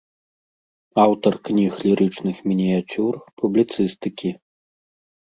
Аўтар кніг лірычных мініяцюр, публіцыстыкі.